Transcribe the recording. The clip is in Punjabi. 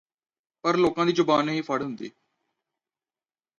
ਪਰ ਲੋਕਾਂ ਦੀ ਜ਼ੁਬਾਨ ਨਹੀਂ ਫੜ ਹੁੰਦੀ